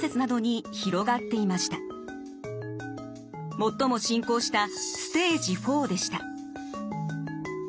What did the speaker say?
最も進行したステージ４でした。